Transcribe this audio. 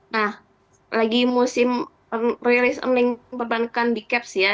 nah lagi musim release earning perbankan di caps ya